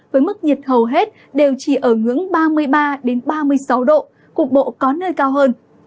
với mức nhiệt hầu hết đều chỉ ở ngưỡng ba mươi ba ba mươi sáu độ cục bộ có nơi cao hơn